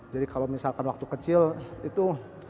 jadi kalau misalkan waktu kecil itu